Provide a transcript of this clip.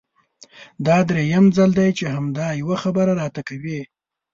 دا درېيم ځل دی چې همدا يوه خبره راته کوې!